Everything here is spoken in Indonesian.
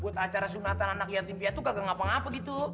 buat acara sunatan anak yatim fiat tuh kagak ngapa ngapa gitu